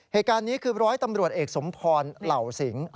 เหตุการณ์นี้คือร้อยตำรวจเอกสมพรเหล่าสิง